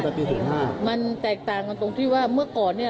ปีหกห้ามันแตกต่างกันตรงที่ว่าเมื่อก่อนเนี้ย